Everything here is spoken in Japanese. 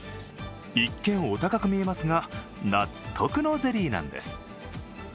一見お高く見えますが納得のゼリーなんです。